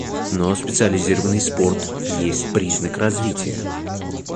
Но специализованный спорт есть признак развития.